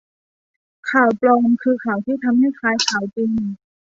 ข่าวปลอมคือข่าวที่ทำให้คล้ายข่าวจริง